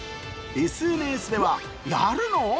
ＳＮＳでは、やるの？